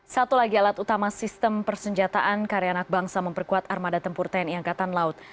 satu lagi alat utama sistem persenjataan karya anak bangsa memperkuat armada tempur tni angkatan laut